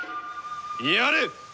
やれ！